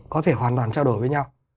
có thể hoàn toàn trao đổi với nhau